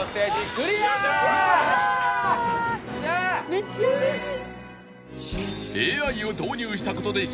めっちゃ嬉しい！